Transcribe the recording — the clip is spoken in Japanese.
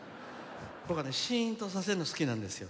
僕はシーンとさせるの好きなんですよ。